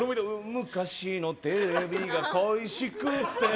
「昔のテレビが恋しくて」